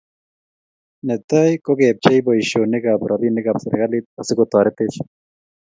Netai ko kepchei boishonik ab robinik ab serikalit asikotoritech